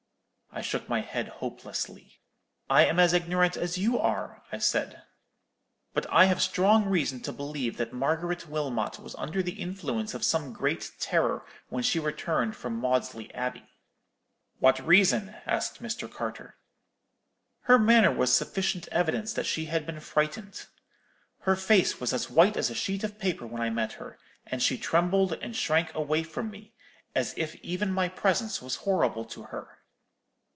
"I shook my head hopelessly. "'I am as ignorant as you are,' I said; 'but I have strong reason to believe that Margaret Wilmot was under the influence of some great terror when she returned from Maudesley Abbey.' "'What reason?' asked Mr. Carter. "'Her manner was sufficient evidence that she had been frightened. Her face was as white as a sheet of paper when I met her, and she trembled and shrank away from me, as if even my presence was horrible to her.'